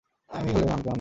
আমি হলে ভাঙ্গতাম না।